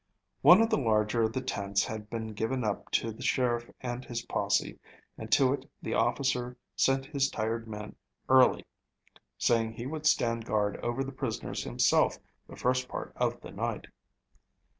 One of the larger of the tents had been given up to the sheriff and his posse, and to it the officer sent his tired men early, saying he would stand guard over the prisoners himself the first part of the night.